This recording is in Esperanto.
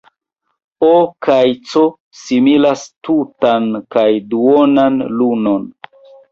O. kaj C. similas tutan kaj duonan lunon.